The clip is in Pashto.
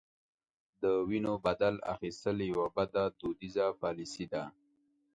د وینو بدل اخیستل یوه بده دودیزه پالیسي ده.